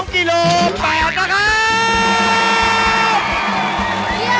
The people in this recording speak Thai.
กิโล๘นะครับ